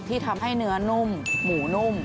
ที่ทำให้เนื้อนุ่มหมูนุ่ม